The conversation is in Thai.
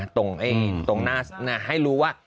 ตรงหน้าให้รู้ว่า